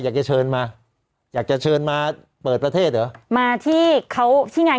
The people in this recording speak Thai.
อยากจะเชิญมาอยากจะเชิญมาเปิดประเทศเหรอมาที่เขาที่ไง